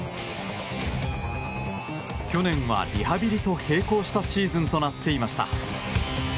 去年はリハビリと並行したシーズンとなっていました。